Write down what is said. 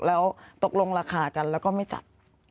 แล้วตกลงราคากันแล้วก็ไม่จัด